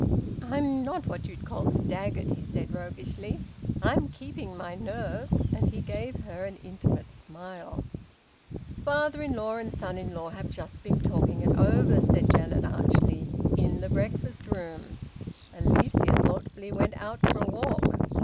"I'm not what you'd call staggered," he said roguishly. "I'm keeping my nerve." And he gave her an intimate smile. "Father in law and son in law have just been talking it over," said Janet archly, "in the breakfast room! Alicia thoughtfully went out for a walk.